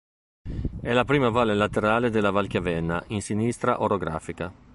È la prima valle laterale della Valchiavenna in sinistra orografica.